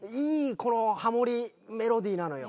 このハモりメロディーなのよ。